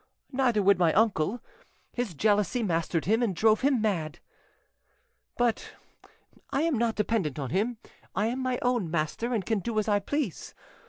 Neither would my uncle; his jealousy mastered him and drove him mad— "But I am not dependent on him; I am my own master, and can do as I please.